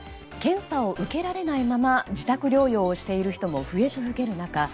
検査を受けられないまま自宅療養している人も増え続ける中